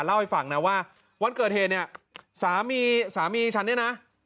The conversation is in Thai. เล่าให้ฟังนะว่าวันเกิดเหตุเนี่ยสามีสามีฉันเนี่ยนะ